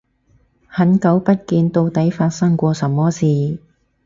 很久不見，到底發生過什麼事